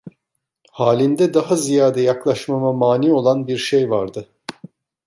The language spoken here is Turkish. Halinde daha ziyade yaklaşmama mâni olan bir şey vardı.